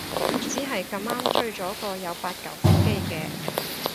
只係咁啱追咗個有八舊腹肌嘅